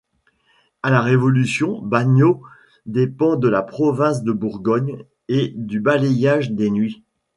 À la révolution Bagnot dépend de laprovince de Bourgogne et du bailliage des Nuits.